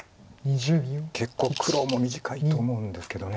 結構黒も短いと思うんですけど。